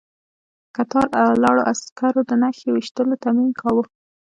کتار ولاړو عسکرو د نښې ويشتلو تمرين کاوه.